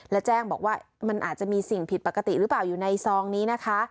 และแจ้งบอกว่ามันอาจจะมีสิ่งผิดปกติหรือเปล่าอยู่ในซองนี้นะคะ